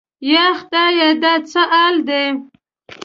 یا خدایه دا څه حال دی؟